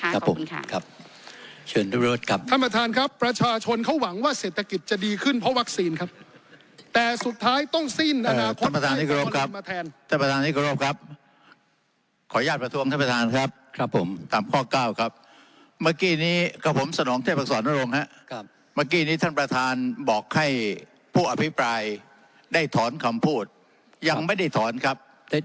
และตัดสินนะคะขอบุญค่ะค่ะถ้าประทานครับว่าเศรษฐกิจจะดีขึ้นเพราะความคงแฟนได้ทรอนคำพูดยังไม่ได้ถอนครับ